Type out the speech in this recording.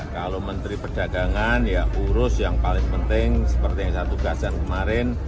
kalau menteri perdagangan ya urus yang paling penting seperti yang saya tugaskan kemarin